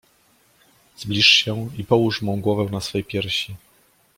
Zbliż się i połóż mą głowę na swej piersi.